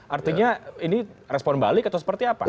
artinya ini respon balik atau seperti apa